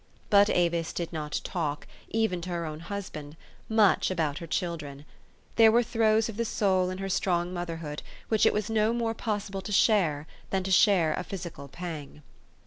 But Avis did not talk even to her own husband much about her children. There were throes of the soul in her strong motherhood, which it was.no more possible to share than to share a physical pang.